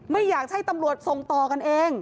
ไม่อยากให้ตำรวจส่งต่อกันเอง